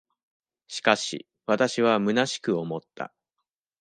しかし、私は虚しく思った。